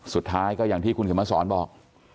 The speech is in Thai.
สุดท้ายก็อย่างที่คุณเข็มมาสอนบอก